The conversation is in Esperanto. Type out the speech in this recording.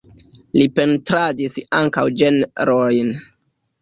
Li pentradis ankaŭ ĝenrojn.